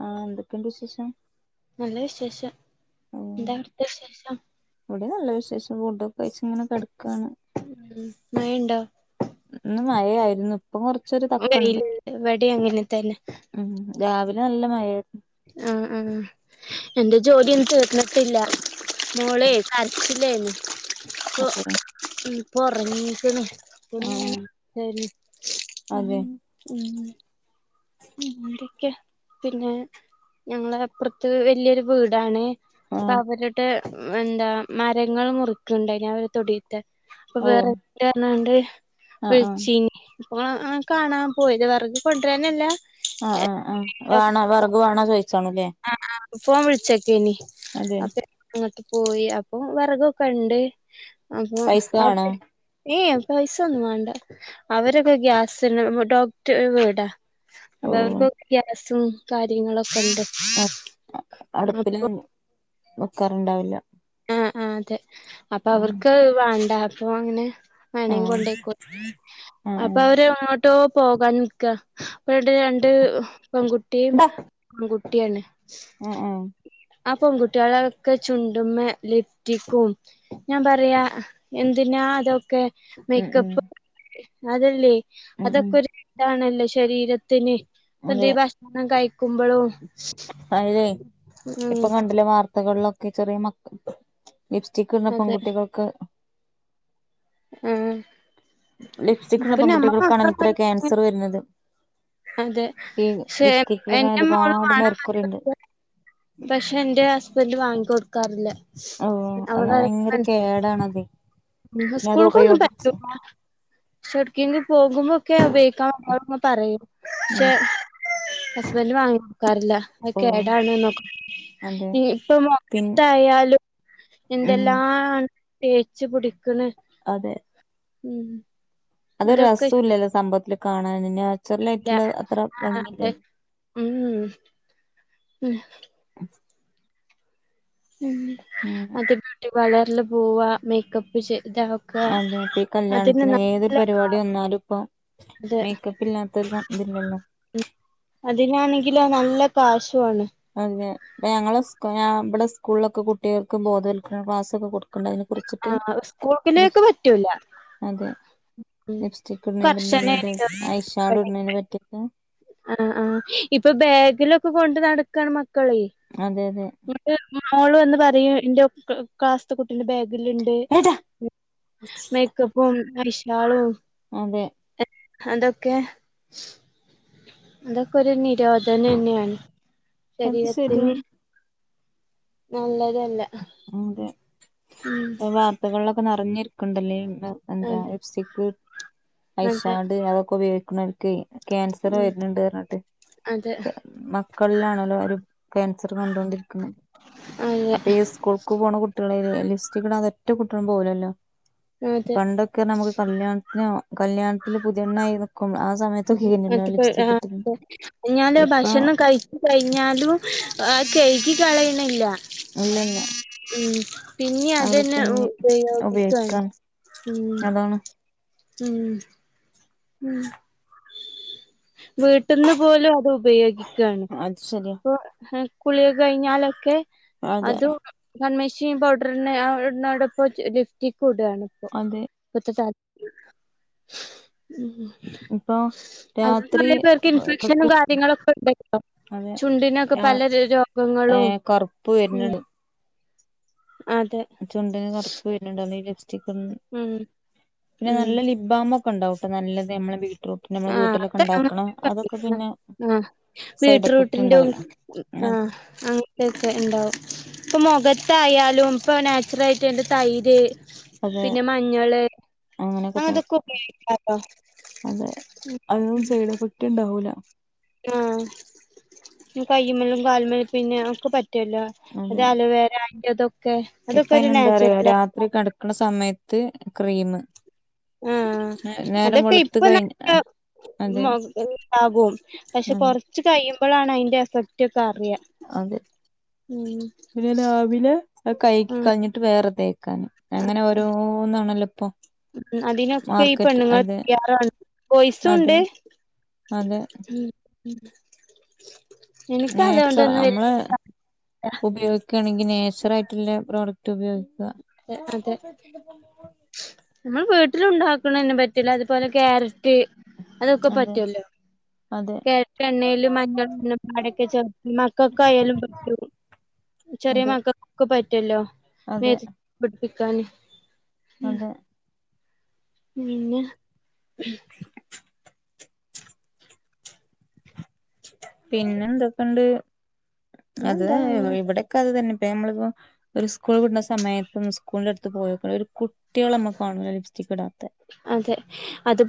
ആഹ് എന്തെക്കെണ്ട് വിശേഷം നല്ല വിശേഷം എന്താ അവ്ട്ത്തെ വിശേഷം ഇവടിം നല്ല വിശേഷം ഫുഡൊക്കെ കൈച്ച്ങ്ങനെ കെടക്കാണ് ഉം മഴണ്ടോ ഇന്ന് മഴയായിരുന്നു ഇപ്പൊ കൊറച്ചൊരു തക്കണ്ട് ഇവടിം അങ്ങനെ തന്നെ ഉം രാവിലെ നല്ല മഴേയ്ര്ന്നു ആഹാ ആഹാ എന്റെ ജോല്യൊന്നും തീർന്നിട്ടില്ല മോളെ കരച്ചിലേന്ന് ഇപ്പൊ അതെ ഇപ്പോ ഒർങ്ങീക്ക്ണ് ആഹ് ഇപ്പൊന്ന്ങ്ങനെ ഉം അതെ ഉം എന്തൊക്കെയ പിന്നെ ഞങ്ങളപ്പ്റത്ത് വല്ല്യൊരു വീടാണ് അപ്പൊ ആഹ് അവരുടെ എന്താ മരങ്ങള് മുറിക്ക്ണ്ടായ്നി അവരെ തൊടി അപ്പൊ ഓ വെറെക്ണ്ടർഞ്ഞാണ്ട് ആഹ് ആഹ് വിൾച്ചീനി ഇപ്പൊങ്ങള് കാണാ പോയ്ത് വെറക് കൊണ്ടരാനല്ല ആ ആ ആ വാണോ വെറക് വാണോ ചോയ്ച്ചാന്ലേ ആ ആ ഫോൺ വിൾച്ചക്കേനി അതെ അപ്പ അങ്ങട്ട് പോയി അപ്പൊ വെറകൊക്കെണ്ട് അപ്പൊ പൈസ വേണോ എ ഏ പൈസൊന്നും വാണ്ട അവരൊക്കെ ഗ്യാസിന് ഡോക്ക്‌ടറെ വീടാ ഓ അപ്പൊ അവർക്ക് ഒക്കെ ഗ്യാസും കാര്യങ്ങളൊക്കെണ്ട് ആ അടുപ്പില് വെക്കാറുണ്ടാവില്ല ആ ആ അതെ അപ്പൊ ആഹ് അവർക്ക് വാണ്ട അപ്പൊ അങ്ങനെ വേണേ ആഹ് കൊണ്ടയ്ക്കോ ആഹ് അപ്പൊ ആഹ് അവര് എങ്ങോട്ടോ പോകാൻ നിക്കാ അപ്പ അവ്ടെ രണ്ട് പെങ്കു ട്ടീം ആങ്കുട്യാണ് അ ആ ആ പെങ്കുട്യാളൊക്കെ ചുണ്ട്മ്മെ ലിഫ്റ്റിക്കും ഞാൻ പറയാ എന്തിനാ അതൊക്കെ ഉം ഉം മേയ്ക്കപ്പ് അതല്ലേ ഉം ഉം അതൊക്കെ ഒരു ഇതാണൊല്ലോ ശരീര ത്തിന് ഇപ്പൊ എന്തേ അതെ ഭക്ഷണം കഴിക്കുമ്പളും അയില്ലെ ഇപ്പൊ കണ്ടില്ലേ വാർത്തകളിലൊക്കെ ചെറിയ മക്ക ലിപ്സ്റ്റിക്ക് ഇട്ന്ന അതെ പെൺകുട്ടികൾക്ക് ആഹാ ലിപ്സ്റ്റിക്ട്ണ പെങ്കുട്ടികൾക്കാണല്ലേ ത്രേ ക്യാൻസറ് വെര്ന്നത് അതെ പക്ഷേ ലിപ്സ്റ്റിക്കിലൊക്കെ എന്റെ മോള് ഒരുപാട് വാണം ന്ന് മെർക്കുറി ഉണ്ട് പറഞ്ഞു പക്ഷെ എന്റെ ഹസ്ബൻ്റ് വാങ്ങി കൊടുക്കാറില്ല ഓ അത് അവളെ ഭയങ്കര കേടാണത് ഉം പിന്നെ അത് സ്കൂൾ കൊന്നും ഉപയോഗിച്ച് പറ്റൂല പക്ഷെട്ക്കേങ്കി പോകുമ്പൊക്കെ ഉപോഗിക്കാ ഓളോട്ങ്ങനെ പറയും ഉം പക്ഷെ ഹസ്ബൻഡ് വാങ്ങി കൊട്ക്കാറില്ല അത് ഓ കേടാണ് ന്ന് ഒക്കെ അതെ ഇപ്പൊ പിൻ മൊകത്തായാലും ഉം എന്തെല്ലാം ആണ് തേച്ച്പിടിക്കണ് അതെ ഉം അതൊരു അതൊക്കെ രസോം ഇല്ലല്ലോ സംഭവത്തിൽ കാണാൻ നാച്ചുറൽ ഇഷ്ടല്ല ആയിട്ടുള്ള അത്ര ആഹ് ഭംഗില്ലല്ലേ അതെ ഉം ഉം ഉം ഉ ഉം അത് ബ്യൂട്ടി പാർലർല് പോവാ മേക്കപ്പ് ചെയ്ത് അതെപ്പ ഈ കല്യാണത്തിന് ഏതൊരു പരിപാടി കാശുണ്ട് വന്നാലും ഇപ്പൊ മേക്കപ്പ് പില്ലാത്ത [unintelligible] ല്ലോ അതിനാണെങ്കിലോ നല്ല കാശുവാണ് അതെ ഇപ്പം ഞങ്ങളെ ഇവടെ സ്കൂളിലൊക്കെ കുട്ടികൾക്കും ബോധവൽക്കരണ ക്ലാസ്സൊക്കെ കൊടുക്ക്ണ്ട് അതിനെ കുറിച്ച് ആ സ്കൂൾക്കിലേക്ക് പറ്റൂല അതെ ഉം ലിപ്സ്റ്റിക് ഇടുന്നേ [unintelligible] ത്തെ കർശനായിരിക്കും ഐഷാർഡ് ഇടുന്നേന് ഇവിടെയൊക്കെ പറ്റിയോക്കെ ആ ആ ഇപ്പൊ ബാഗിലൊക്കെ കൊണ്ട് നടക്കാണ് മക്കളേ അതെ അതെ ന്റെ മോള് വന്ന് പറയും എന്റെ ക്ലാസ് ത്തെ കുട്ടിന്റെ ബാഗിൽണ്ട് ഏട്ടാ ണ്ട് മേക്കപ്പും ഐഷാളും അതെ അതൊക്കെ അതൊക്കെ ഒരു നിരോധനം തന്നെയാണ് അത് ശരീരത്തിന് ശരിയാണ് നല്ലതല്ല ഉം അതെ വാർത്തകളിലൊക്കെ നിറഞ്ഞി ണ്ടല്ല എന്താ അതെ ലിഫ്സ്റ്റിക്ക് അതെ ഐഷാർഡ് അതൊക്കെ ഉപയോഗിക്കണ് ക്കെ ക്യാൻസറ് ഉം വരുന്നുണ്ട് പറഞ്ഞിട്ട് അതെ മക്കളിലാണല്ലോ ഒരു ക്യാൻസർ കൊണ്ടൊണ്ടിരിക്കുന്നത് അതെ അപ്പൊ ഈ സ്കൂൾക്ക് പോണ കുട്ടികളെ ലിപ്സ്റ്റിക്കിടാത ഒറ്റ കുട്ടികളും പോകുലല്ലോ അതെ പണ്ടൊക്കെ നമുക്ക് കല്യാണത്തിനോ കല്യാണത്തിൽ പുതിയെണ്ണായി നിക്കും ആ സ ന്നട്ട് പ്പോ ഞാന് ഇപ്പൊ ഭക്ഷണം കഴിച്ച - കഴിഞ്ഞാലും ആ കയ്കി കളയണില്ല ഇല്ലല്ല ഉം പിന്നെ അത് അതന്നെ പിന്നെ ഉപയോഗിക്കാണ് ഉം അതാണ് ഉം ഉം വീട്ട്ന്ന് പോലും അത് ഉപയോഗിക്കയാണ് അത് ശരിയ കുളി കഴിഞ്ഞാലൊക്കെ അതെ അതു കൺമിഷി, പൗഡറി ഇട്നോടപ്പം ലിഫ്സ്റ്റിക്കും ഇടാണിപ്പോ അതെ ഇപ്പത്ത [unintelligible] ളം ഇപ്പൊ അതി രാത്രി കൊറെ പേർക്ക് ഇൻഫെക്ഷനും കക്കും കാര്യങ്ങളൊക്കെ ഉണ്ടല്ലോ അതെ ചുണ്ടിനൊക്കെ ആ പല രോ ഏ രോഗങ്ങളും കറുപ്പ് ഉം. വരുന്നുണ്ട് അതെ. ചുണ്ടിന് കറുപ്പ് വരുന്നുണ്ടോ ഈ ലിപ്സ്റ്റിക്കും ഉം പിന്നെ ഉം നല്ല ലിപ്. ലിപ്ബാം ഒക്കെ ഉണ്ടാക്കൂട്ടാ നല്ലത് നമ്മളെ ബീറ്റ്റൂട്ടിൻ്റെ നമ്മള് ആഹ് വീട്ടിലൊക്കെ അത് ഉണ്ടാക്ക്‌ണെ അതൊക്കെ പിന്നെ. സൈഡ് എഫക്ട് ബീടറൂട്ടിന്റെ ഉണ്ടാവല്ലോ അത് ആഹ അങ്ങനത്തൊക്കെ ഉണ്ടാവും ഇപ്പൊ മുഖത്തായാലും ഇപ്പൊ നാച്ചുറൽ ആയിട്ട് എന്റെ തൈര് അത് പിന്നെ മഞ്ഞള് അങ്ങനെയൊക്കെ തേക്ക അങ്ങനതൊക്കെ ഉപയോഗിക്കാലോ അതെ അതും സൈഡ് എഫക്ട് ഉണ്ടാവൂല ആഹ് കയ്യ്മല്ലും കാൽമല്ലും പിന്നെ ഒക്കെ പറ്റ പറ്റല്ലോ അത് അതെ അലോവേര അതിന്റെ അതൊക്കെ അതൊക്കെ ഒരു നാച്ചുറൽ ആ ഇത്ര കടക്കണ സമയത്ത് ക്രീം ആഹ് നേരം അതൊക്കെ വെളുത്ത ഇപ്പൊ കഴിഞ്ഞ നല്ല അതെ ഉണ്ടാകും പക്ഷെ അതെ കൊറച്ച് കഴിയുമ്പോഴാണ് അതിന്റെ എഫക്റ്റ് ഒക്കെ അറിയ അതെ പിന്നെ രാവിലെ കൈക്ക് ഉം കഴഞ്ഞിട്ട് വേറെ തേക്കാന് അങ്ങനെ ഓരോന്നാണല്ലോ ഇപ്പൊ. ഉം അതിനൊക്കെ ഈ മാർക്കറ്റ് പെണ്ണുങ്ങൾ അതെ തയ്യാറാണ് അതെ ബോയ്‌സുണ്ട്. അതെ. എനിക്ക് അതൊണ്ട്ന്നും വല്യത ഉപയോഗിക്കാണെങ്കിൽ നെച്ചറായിട്ടുള്ള പ്രോഡക്റ്റ് ഉപയോഗിക്കുക. അതെ [unintelligible] നമ്മൾ വീട്ടിൽ ഉണ്ടാക്കണന്നെ പറ്റില്ല അതുപോലെ ക്യാര അതൊക്കെ അതെ പറ്റോലോ അതെ ക്യാരറ്റ്എണ്ണയില് മഞ്ഞളും [unintelligible] ചേർത്ത് മക്കൾക്കയാലും പറ്റും. ചെറിയ അതെ മക്കൾക്കൊക്കെ പറ്റുവല്ലോ നേ അതെ [inaudible] പിടിപ്പിക്കാന്. അതെ. പിന്നെ. പിന്നെ എന്തൊക്കെണ്ട് അത് പിന്നെന്താ അങ്ങനെ ഇവിടൊക്കെ അത് തന്നെ ഇപ്പ നമ്മളിപ്പോ. ഒരു സ്കൂൾ വിടുന്ന സമയത്തും സ്കൂളിൻ്റെ അടുത്ത് പോയ് നോക്കേണ്ടു ഒരു കുട്ടിളെ നമ്മക്ക് കാണുല്ല ലിപ്സ്റ്റിക് ഇടാതെ. അതെ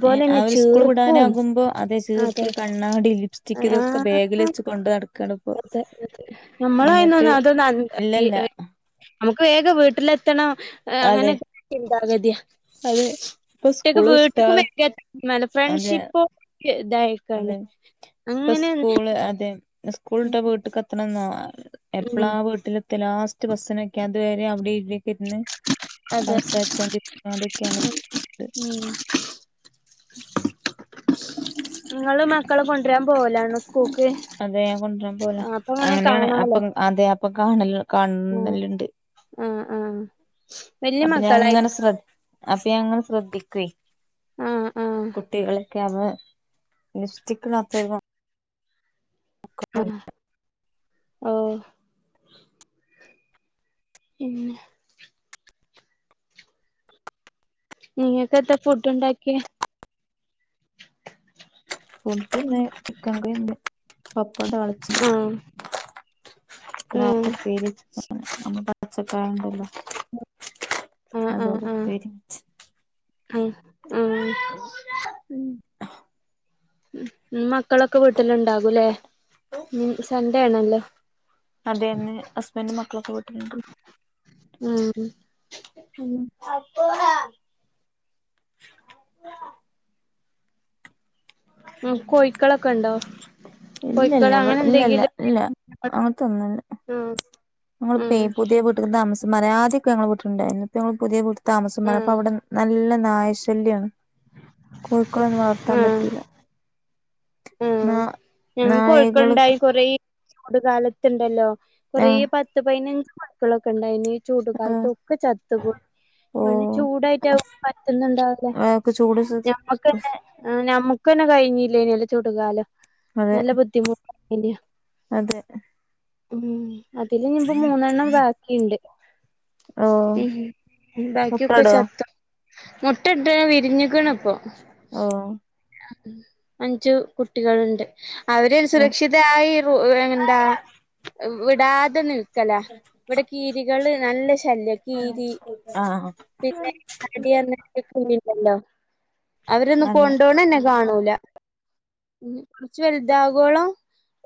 [inaudible] ഏ ആ ഒരു സ്കൂൾ ചീർപ്പും വിടാനാകുമ്പോ അതെ ചീർപ്പ് കണ്ണാടി ലിപ്സ്റ്റി. [unintelligible] ഇതൊക്കെ ബാഗിൽ വെച്ച് കൊണ്ട് നടക്കാണ് ഇപ്പൊ. നമ്മളായിനന്ന് അതൊന്നും ഇല്ലല്ല [unintelligible] നമുക്ക് വേഗം വീട്ടിലെത്തണം അങ്ങനെ അതെ [unintelligible] ചിന്താഗതിയാ. അതെ. ഇപ്പൊ കുട്ടിക്ക് സ്കൂള് വിട്ടാ വീട്ടുക്കും വ [inaudible] അതെ ഫ്രണ്ട്ഷിപ്പോ ഇതായി. അതെ ഇപ്പൊ സ്കൂൾ അതെ. സ്കൂൾ വിട്ട വീട്ടിക്ക് എത്തണെന്നോ ഉം എപ്പളാ വീട്ടിൽ. ലാസ്റ്റ് ബസ്സിനൊക്കെ അതുവരെ അവിടെ ഇവിടേക്ക് ഇരുന്ന്. അതെ സംസാരിച്ചൊണ്ടിരി [unintelligible] അതൊക്കെയാണ്. ഉം. നിങ്ങള് മക്കളെ കൊണ്ടരാൻ പോവലാണോ സ്കൂൾക്ക്. അതെ ഞാൻ കൊണ്ടരാൻ പോല ആഹ് അപ്പൊ അങ്ങനെ അങ്ങനെയാണ് കാണാലോ അപ്പം അതെ അപ്പം കാണല് ആഹ് കാണലുണ്ട്. ആഹ് ആഹ് വല്യ അപ്പൊ ഞാൻ മക്കളായി അങ്ങനെ ശ്ര അപ്പ ഞാൻ അങ്ങനെ ശ്രദ്ധിക്കുവേ. ആഹ് ആഹ് കുട്ടികളൊക്കെ അവ ലിപ്സ്റ്റിക് ഇടാതെന് [unintelligible] ഓ പിന്നെ. നിങ്ങകെന്താ ഫുഡ് ഉണ്ടാക്കിയേ. ഓല്ക്ക്‌ ഇന്ന് ചിക്കൻ കറിണ്ട് പപ്പ തളിച്ചത് ആഹ് ഉം [unintelligible] ഉപേരോ വെച്ചതും നമ്മ പച്ചക്കായണ്ടല്ലോ ആഹ് അതോണ്ട് ആഹ് ഉപ്പേരി വെച്ച് ആഹ് ആ ഉം ഉം മക്കളൊക്കെ വീട്ടിൽ ഉണ്ടാകൂല്ലേ ഉം സൺഡേ ആണല്ലോ. അതെന്നെ ഹസ്ബൻഡും മക്കളൊക്കെ വീട്ടിലുണ്ട്. ഉം [unintelligible] കോഴിക്കളൊക്കെ ഉണ്ടോ. ഇല്ലല്ല കോഴിക്കള് ഇവ അങ്ങനെ ഇല്ലല്ല എന്തെങ്കിലും ഇല്ല അങ്ങനത്തൊന്നുല്ല. ഉം ഉം ഞങ്ങളിപ്പേ പുതിയ വീട്ടിക്ക് താമസം മാറി ആദ്യാക്കെ ഞങ്ങളുടെ വീട്ടിൽ ഉണ്ടായിരുന്നു ഇപ്പ പുതിയ വീ. താമസം മാറി ഉം അപ്പം അവിടെ നല്ല നായശല്യമാണ് കോഴിക്കോളൊന്നും വളർത്താൻ ഉം പറ്റൂല. ഉം നാ ഞങ്ങൾക്ക് നായകള് കോഴിക്കളുണ്ടായി കൊറെ. ചൂട് കാലത്തുണ്ടല്ലോ കൊറേ ആഹ് പത്ത് പതിനഞ്ച് മക്കളൊക്കെ ഉണ്ടായിന്. ചൂട് ആഹ് കാലത്തൊക്കെ ചത്തുപോയി ഓ മണ്ണ് ചൂടായിട്ട് അവും പറ്റുന്നുണ്ടാവില്ല. ആക്കെ ചൂട്. [inaudible] ആ നമ്മക്ക് തന്നെ കഴിഞ്ഞില്ലേ യ് നി ചൂടുകാലം. അതെ നല്ല ബുദ്ധിമുട്ട് ഇലയേനെ. അതെ ഉം അതില് ഞ്ഞിപ്പം മൂന്നെണ്ണം ബാക്കിണ്ട്. ഓ ഉം മുട്ടടോ ബാക്കിയുക്കച്ചത്ത്. മുട്ട ഇട്ട വിരിഞ്ഞിക്ക്ണ് ഇപ്പൊ. ഓ അഞ്ച് കുട്ടികളുണ്ട്. അവര് സുരക്ഷിതായി എന്താ വിടാതെ നിൽക്ക. ല ഇവിടെ കിരികൾ നല്ല ശല്യ കീരി. ആഹ് പിന്നെ [unintelligible] അവരൊന്നും അതെ കൊണ്ടോണതന്നെ കാണൂല. കുറച്ച് വലുതാവോളം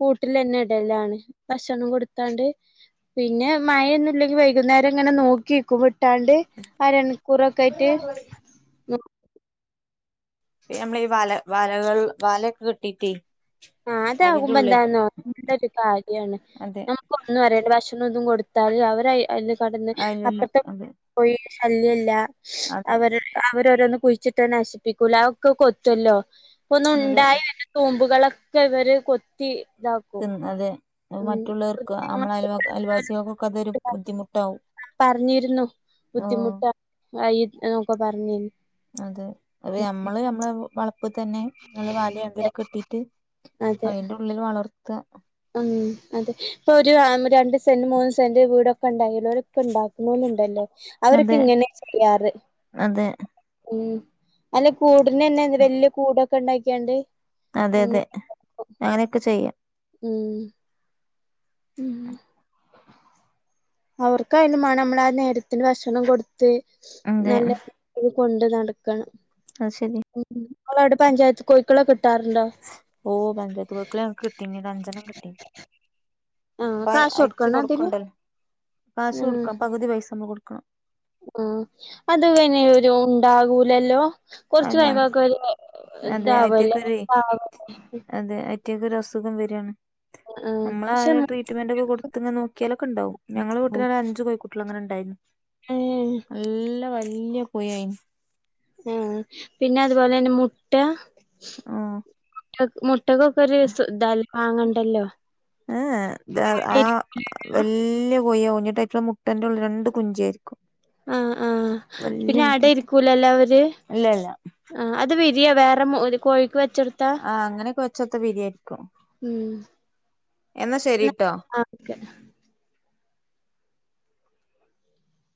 കൂട്ടിൽ തന്നെ ഇടലാണ് ഭക്ഷണം കൊടുത്താണ്ട്. പിന്നെ മഴൊന്നുംല്ലെങ്കി വൈകുന്നേരം ഇങ്ങനെ നോക്കിക്കും വിട്ടാണ്ട് ആര [unintelligible] നമ്മള ഈ വല വലകൾ വലയൊക്കെ കേട്ടിട്ടെ ആഹ് അതാകുമ്പോ എന്താന്നോ നല്ലയൊരു കാര്യമാണ്. അതെ ഒന്നുമറിയണ്ട ഭക്ഷണം ഒന്നും കൊടുത്താല് അവര് അതില് കടന്ന് അയിലുള്ള അപ്പത്തെ. അതെ കോഴി ശല്യം ഇല്ല അതെ അവർ അവര് ഓരോന്ന് കുഴിച്ചിട്ട നശിപ്പിക്കൂല ഒക്കെ കൊത്തല്ലോ ഇപ്പ ഒന്ന അതെ ഉണ്ടായി. തോമ്പുകളൊക്കെ ഇവര് കൊത്തി ഇതാക്കും. അതെ ഉം മറ്റുള്ളവർക്ക് നമ്മളെ ആയ അയൽവാസികൾക്കൊക്കെ അതൊരു ബുദ്ധിമുട്ടാവും. പറഞ്ഞിരുന്നു ആഹ് ബുദ്ധിമുട്ട നോക്ക പറഞ്ഞിരുന്നു. അതെ അത് നമ്മള് നമ്മളെ വള പപ്പ് തന്നെ വല എന്തെങ്കിലും കേട്ടിട്ട് അതെ അതിന്റെ ഉള്ളിൽ വളർത്ത. ഉം അതെ ഇപ്പൊ ഒരു രണ്ട് സെന്റ് മൂന്ന് സെന്റ് വീടൊക്കെ ഉണ്ടാവുള്ളു. ഉണ്ടാക്കുന്നോൽലുണ്ടലോ അവരൊക്കെ അതെ ഇങ്ങനെ ചെയ്യാറ് അതെ മ്മ്. അല്ല കൂടിനനേ വലിയ കൂടൊക്കെ ഉണ്ടാക്കിയണ്ട്. അതെ അതെ അങ്ങനെയൊക്കെ ചെയ്യാം. ഉം. ഉം അവർക്ക് അയ്മാനം നമ്മള ആ നേരത്തിന് ഭക്ഷണം കൊടു ത്ത് അതെ നല്ലരീതി കൊണ്ട് നടക്കണം. ആ ശരി. നിങ്ങടവിടെ പഞ്ചായത്ത് കോഴിക്കളേ കിട്ടാറുണ്ടോ. ഓ പഞ്ചായത്ത് കോഴിക്കളാ ഞങ്ങൾക് കിട്ടിനി അഞ്ചണ്ണം കിട്ടി. ആഹ് അപ്പ കാശ് അയച്ച് കൊടുക്കണോ അതിന് കൊടുക്കണ്ടല്ലോ കാശ് ആഹ് കൊടുക്കണം പകുതി പൈസ നമ്മൾ കൊടുക്കണം. ആഹ് അത് പിന്നെഒരു ഉണ്ടാകൂലല്ലോ. കൊറച്ച് അത് ഞ കഴിയുമ്പോ അതെ ഇതാവലൊ? അയിറ്റക്കൊരു അതെ. പ്രത്യേക ഒരു അസുഖം വരിയാണ്. നമ്മള പക്ഷെ അവരെ ട്രീറ്റ്മെന്റ് ഒക്കെ കൊടുത്ത് നോക്കിയലൊക്കെ ഉണ്ടാവും ഞങ്ങൾ വീട്ടിലാന്നേ അഞ്ച് കോയി കുട്ട്യാ അങ്ങനെ ഉണ്ടായിരുന്നു ഏഹ് നല്ല വല്യ പുഴ അയ്നു ഉം പിന്നെ അതുപോലെ തന്നെ മുട്ട ആഹ് മുട്ടകൊക് ക്കൊരു ഒരുതാണ് മങ്ങണ്ടല്ലോ ഏഹ് ദാ ആ [unintelligible] വല്യ കോയി ആവും കുഞ്ഞി ട്ടൈപ്പുള്ള മുട്ടന്റെ ഉള്ളിൽ രണ്ട് കുഞ്ചിയായിരിക്കും. ആഹ് ആഹ് വല്യ പിന്നെ അട മുട്ടയായിട്ട് ഇരികുലലോ അവര്. ഇല്ല ഇല്ല ആഹ് അത് വിരിയോ വേറെ കോഴിക്ക് വെച്ചെടു ആ് അങ്ങനെക്കെ വെച്ചോട്ത [unintelligible] ഉം എന്നാ ശരിട്ടോ ആക്കെ